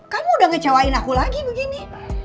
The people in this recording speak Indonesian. kamu udah ngecewain aku lagi begini